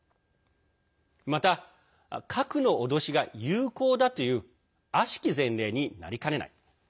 また、核の脅しが有効だという悪しき前例になりかねない。